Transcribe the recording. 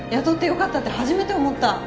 雇ってよかったって初めて思った。